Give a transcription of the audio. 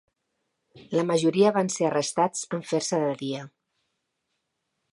La majoria van ser arrestats en fer-se de dia.